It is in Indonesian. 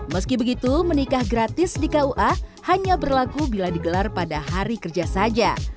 meski begitu menikah gratis di kua hanya berlaku bila digelar pada hari kerja saja